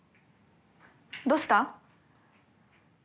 どうした？